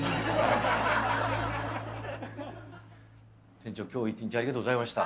店長、今日一日ありがとうございました。